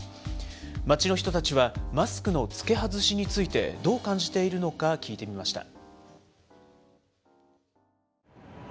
街の人たちは、マスクの着け外しについてどう感じているのか聞いてみました。